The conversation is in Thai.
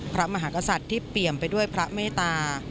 พระมหากษัตริย์ที่เปี่ยมไปด้วยพระเมตตา